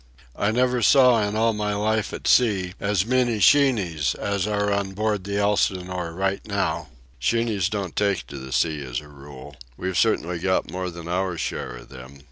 I never saw in all my life at sea as many sheenies as are on board the Elsinore right now. Sheenies don't take to the sea as a rule. We've certainly got more than our share of them.